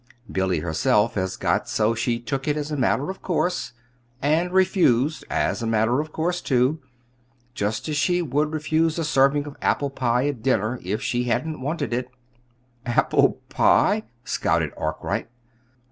Billy herself got so she took it as a matter of course and refused as a matter of course, too; just as she would refuse a serving of apple pie at dinner, if she hadn't wanted it." "Apple pie!" scouted Arkwright.